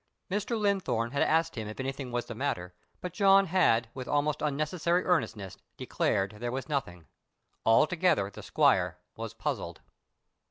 Mr. Linthorne had asked him if anything was the matter, but John had with almost unnecessary earnestness declared there was nothing. Altogether the squire was puzzled.